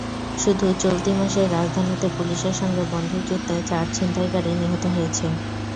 শুধু চলতি মাসেই রাজধানীতে পুলিশের সঙ্গে বন্দুকযুদ্ধে চার ছিনতাইকারী নিহত হয়েছে।